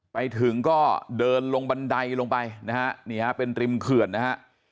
ไปถึงก็เดินลงบันไดลงไปนะฮะนี่ฮะเป็นริมเขื่อนนะฮะ